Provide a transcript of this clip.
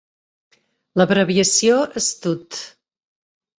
L'abreviació "stud".